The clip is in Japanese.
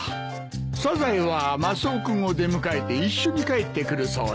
サザエはマスオ君を出迎えて一緒に帰ってくるそうだ。